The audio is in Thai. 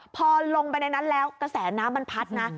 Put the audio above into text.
พอลงไปในนั้นแล้วกระแสน้ำมันพัดนะ